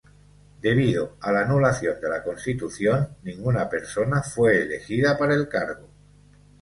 Debido a la anulación de la Constitución, ninguna persona fue elegida para el cargo.